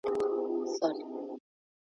دا اپلیکیشن ستاسو تېروتنې په نښه کوي.